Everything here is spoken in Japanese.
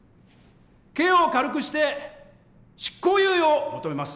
刑を軽くして執行猶予を求めます。